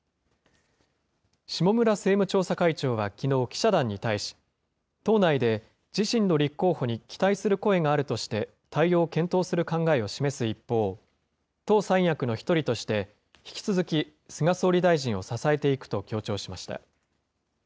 下村政務調査会長はきのう、記者団に対し、党内で自身の立候補に期待する声があるとして対応を検討する考えを示す一方、党三役の１人として引き続き菅総理大臣を支えていくと強調しました。